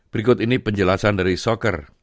berikut ini penjelasan dari soccer